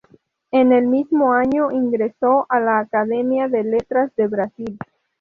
En el mismo año, ingresó en la Academia de Letras de Brasil.